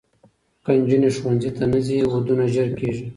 که نجونې ښوونځي ته نه ځي، ودونه ژر کېږي.